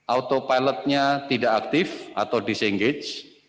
autopilotnya tidak aktif atau disengage